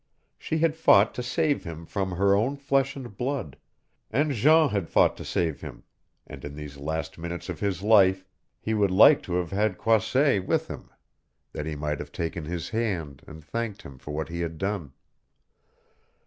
She had fought to save him from her own flesh and blood, and Jean had fought to save him, and in these last minutes of his life he would liked to have had Croisset with him that he might have taken has hand and thanked him for what he had done.